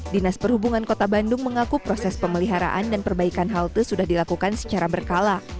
dinas perhubungan kota bandung mengaku proses pemeliharaan dan perbaikan halte sudah dilakukan secara berkala